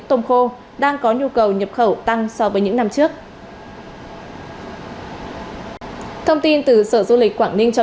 tôm khô đang có nhu cầu nhập khẩu tăng so với những năm trước thông tin từ sở du lịch quảng ninh cho